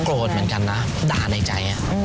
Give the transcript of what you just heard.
โกรธเหมือนกันนะด่าในใจ